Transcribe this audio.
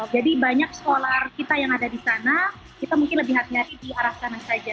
jadi banyak scholar kita yang ada di sana kita mungkin lebih hati hati di arah sana saja